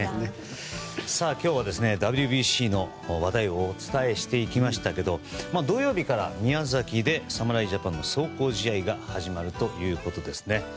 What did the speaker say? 今日はＷＢＣの話題をお伝えしていきましたけど土曜日から宮崎で侍ジャパンの壮行試合が始まるということですね。